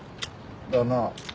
だな。